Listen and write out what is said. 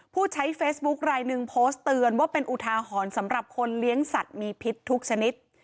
ผู้ใช้เฟซบุ๊คลายหนึ่งโพสต์เตือนว่าเป็นอุทาหรณ์สำหรับคนเลี้ยงสัตว์มีพิษทุกชนิด